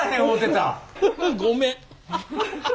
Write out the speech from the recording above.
ごめん。